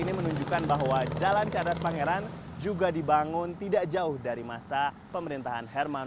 ini menunjukkan bahwa jalan cadar pangeran juga dibangun tidak jauh dari masa pemerintahan herman